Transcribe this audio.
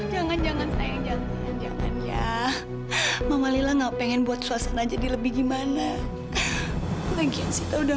jangan jangan sayang jangan jangan ya mama lila nggak pengen buat suasana jadi lebih gimana lagi sita udah